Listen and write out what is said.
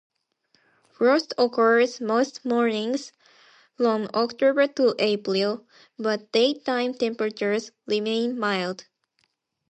Frost occurs most mornings from October to April, but daytime temperatures remain mild.